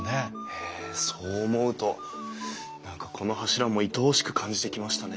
へえそう思うと何かこの柱もいとおしく感じてきましたね。